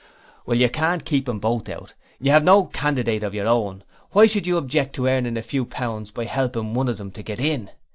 'Well, you can't keep them both out you have no candidate of your own why should you object to earning a few pounds by helping one of them to get in?